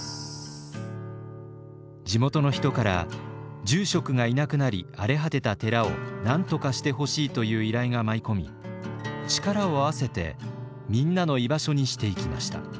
地元の人から住職がいなくなり荒れ果てた寺をなんとかしてほしいという依頼が舞い込み力を合わせて「みんなの居場所」にしていきました。